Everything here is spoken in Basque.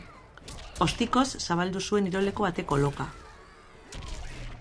Ostikoz zabaldu zuen iroleko ate koloka.